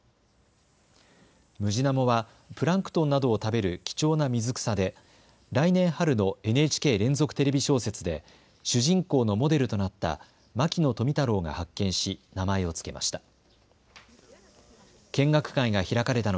ムジナモはプランクトンなどを食べる貴重な水草で来年春のＮＨＫ連続テレビ小説で主人公のモデルとなった牧野富太郎が発見し名前をつけました。